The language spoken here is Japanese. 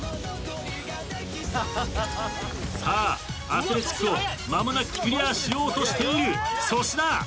アスレチックを間もなくクリアしようとしている粗品。